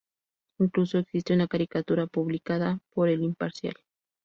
Incluso existe una caricatura publicada por "El Imparcial".